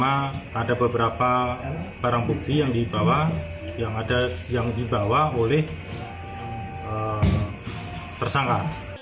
ada barang bukti yang dibawa oleh tersangka